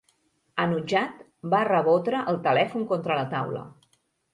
Enutjat, va rebotre el telèfon contra la taula.